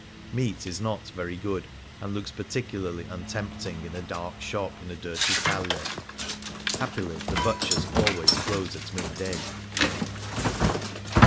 Meat is not very good, and looks particularly untempting in a dark shop in a dirty calk. Happily, the butchers always close at midday.